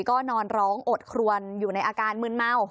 ก็นอนร้องอดครวนอยู่ในอาการมืนเมา